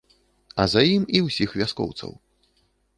А за ім і ўсіх вяскоўцаў.